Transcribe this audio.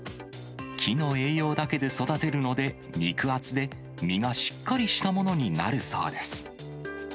木の栄養だけで育てるので、肉厚で身がしっかりしたものになるそうです。